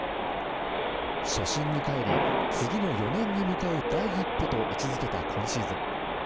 初心に帰り次の４年に向かう第一歩と位置づけた今シーズン。